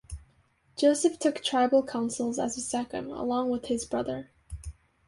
Joseph took tribal councils as a Sachem, along with his brother.